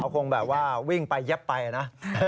คงแบบว่าวิ่งไปเย็บไปนะ